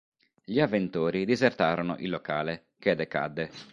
Gli avventori disertarono il locale, che decadde.